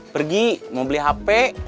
pergi mau beli hp